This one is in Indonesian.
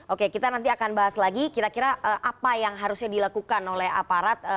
oke kita nanti akan bahas lagi kira kira apa yang harusnya dilakukan oleh aparat